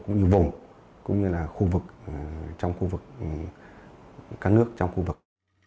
cũng như vùng cũng như là khu vực trong khu vực các nước trong khu vực